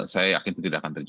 saya yakin itu tidak akan terjadi